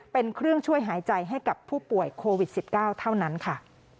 เป็นเครื่องช่วยหายใจให้กับผู้ป่วยโควิด๑๙เท่านั้นค่ะ